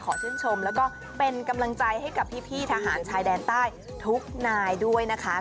ชื่นชมแล้วก็เป็นกำลังใจให้กับพี่ทหารชายแดนใต้ทุกนายด้วยนะคะ